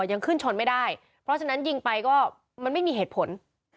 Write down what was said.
ยังขึ้นชนไม่ได้เพราะฉะนั้นยิงไปก็มันไม่มีเหตุผล